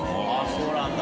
そうなんだ。